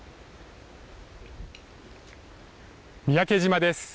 三宅島です。